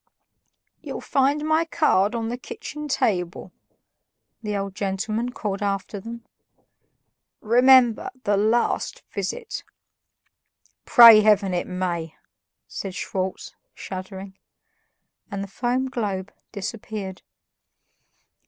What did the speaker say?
"You'll find my card on the kitchen table," the old gentleman called after them. "Remember, the LAST visit." "Pray Heaven it may!" said Schwartz, shuddering. And the foam globe disappeared.